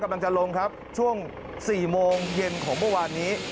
กำลังจะลงครับช่วง๔โมงเย็นของเมื่อวานนี้